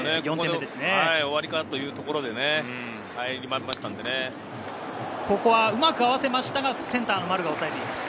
終わりかというところでここはうまく合わせましたが、センター・丸が抑えています。